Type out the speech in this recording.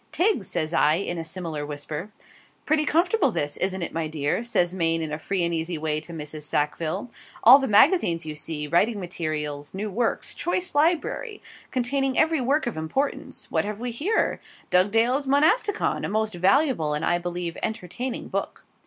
'Tiggs!' says I, in a similar whisper. 'Pretty comfortable this, isn't it, my dear?' says Maine in a free and easy way to Mrs. Sackville; 'all the magazines, you see writing materials new works choice library, containing every work of importance what have we here? "Dugdale's Monasticon," a most valuable and, I believe, entertaining book.'